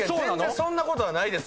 そんなことはないです。